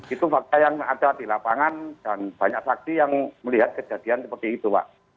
itu fakta yang ada di lapangan dan banyak saksi yang melihat kejadian seperti itu pak